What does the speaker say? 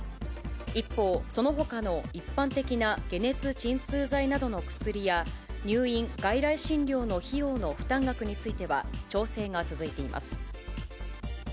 一方、そのほかの一般的な解熱鎮痛剤などの薬や、入院・外来診療の費用の負担額については、調整が続いています。